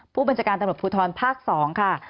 ผู้บัญชาการตำรวจภูทรภาค๒ค่ะ